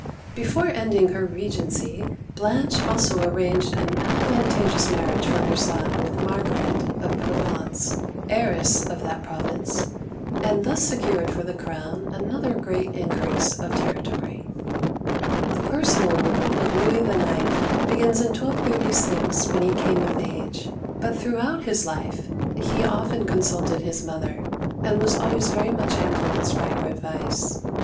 Before ending her regency, Blanche also arranged an advantageous marriage for her son with Margaret of Provence, heiress of that province, and thus secured for the crown another great increase of territory. The personal rule of Louis IX. begins in 1236, when he came of age, but throughout his life he often con av/v^Xi^ LOUIS IX. (1226 1270) 129 suited his mother, and was always much influenced by her advice.